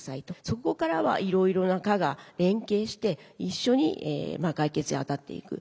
そこからはいろいろな課が連携して一緒に解決にあたっていく。